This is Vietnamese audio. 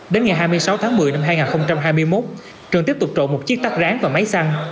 đến ngày hai mươi sáu tháng một mươi năm hai nghìn hai mươi một trường tiếp tục trộm một chiếc tắc rán và máy xăng